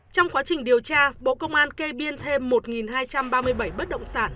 trong quá trình điều tra bộ công an kê biên thêm một hai trăm ba mươi bảy bất động sản